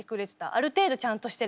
ある程度ちゃんとしてれば。